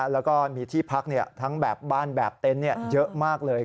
แล้วก็มีที่พักทั้งแบบบ้านแบบเต็นต์เยอะมากเลย